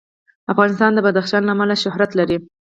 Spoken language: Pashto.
افغانستان د بدخشان له امله شهرت لري.